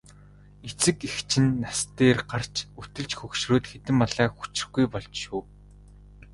Эцэг эх чинь нас дээр гарч өтөлж хөгшрөөд хэдэн малаа хүчрэхгүй болж шүү.